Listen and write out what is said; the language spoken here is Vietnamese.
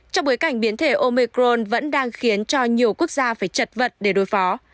trong bối cảnh biến thể omecron vẫn đang khiến cho nhiều quốc gia phải chật vật để đối phó